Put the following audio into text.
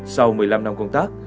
sau một mươi năm năm công tác